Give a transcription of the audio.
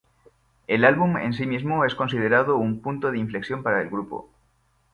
El álbum en sí mismo es considerado un punto de inflexión para el grupo.